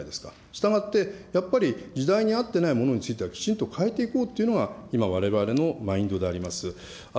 したがって、やっぱり時代に合っていないものについては、きちんと変えていこうというのが今、われわれのマインドであります。